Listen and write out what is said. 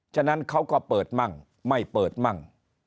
ฉะนั้นเขาก็เปิดมั่งไม่เปิดมั่ง